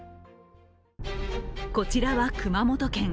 こちらは熊本県。